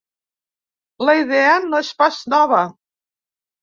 La idea no és pas nova.